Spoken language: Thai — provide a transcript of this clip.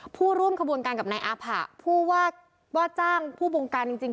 ผู้ร่วมขบวนการกับนายอาผะผู้ว่าจ้างผู้บงการจริง